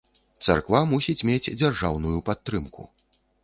Царква мусіць мець дзяржаўную падтрымку.